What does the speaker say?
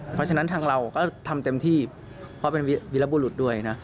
เพราะฉะนั้นทางเราก็ทำเต็มที่เพราะเป็นวิรบุรุษด้วยนะ